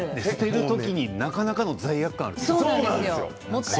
捨てる時になかなかの罪悪感がある。